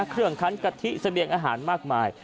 เครื่องคันกะทิเสียบียงอาหารมากมาย